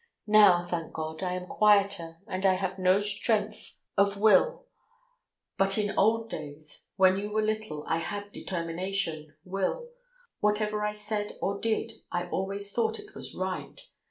... Now, thank God, I am quieter and I have no strength of will, but in old days when you were little I had determination, will. Whatever I said or did I always thought it was right.